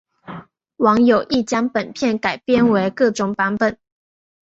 网友亦将本片改编成各种版本。